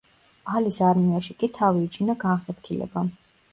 ალის არმიაში კი თავი იჩინა განხეთქილებამ.